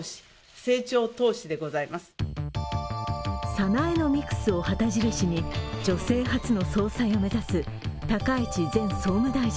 サナエノミクスを旗印に女性初の総裁を目指す高市前総務大臣。